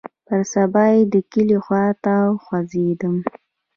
پر سبا يې د کلي خوا ته وخوځېدم.